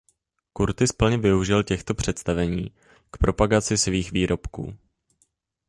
Curtiss plně využil těchto představení k propagaci svých výrobků.